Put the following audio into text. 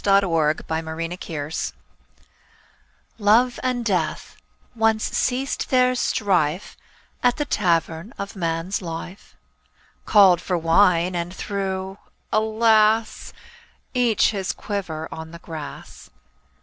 THE EXPLANATION Love and Death once ceased their strife At the Tavern of Man's Life. Called for wine, and threw — alas! — Each his quiver on the grass.